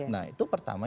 nah itu pertama